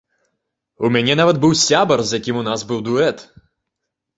У мяне нават быў сябар, з якім у нас быў дуэт.